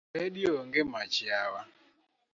Redio onge mach yawa.